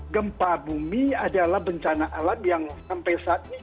gempa bumi adalah bencana alam yang sampai saat ini